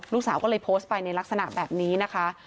ลูกสาวก็เลยโพสต์ไปในลักษณะแบบนี้นะคะ